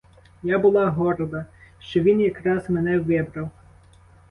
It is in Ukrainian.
Я була горда, що він якраз мене вибрав.